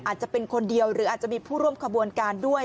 อาจจะเป็นคนเดียวหรืออาจจะมีผู้ร่วมขบวนการด้วย